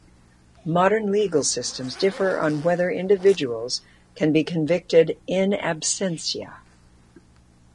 Modern legal systems differ on whether individuals can be convicted "in absentia".